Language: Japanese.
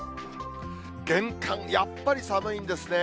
厳寒、やっぱり寒いんですね。